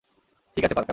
ঠিক আছে, পার্কার!